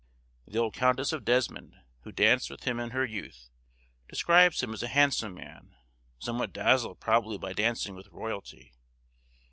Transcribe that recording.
The old Countess of Desmond, who danced with him in her youth, describes him as a handsome man, somewhat dazzled probably by dancing with royalty.